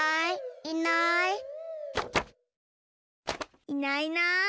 いないいない。